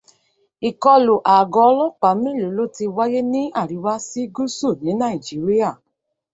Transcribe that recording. Ìkọlù àgọ́ ọlọ́pàá mélòó ló ti wáyé ní àríwá sí gúúsù ní Nàìjíríà